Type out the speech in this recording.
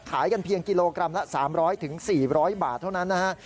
ขายกันเพียงกิโลกรัมละ๓๐๐๔๐๐บาทเท่านั้นนะฮะ